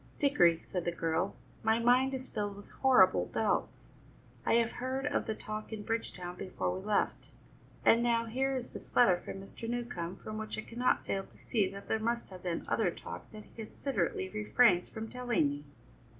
"Dickory," said the girl, "my mind is filled with horrible doubts. I have heard of the talk in Bridgetown before we left, and now here is this letter from Mr. Newcombe from which I cannot fail to see that there must have been other talk that he considerately refrains from telling me."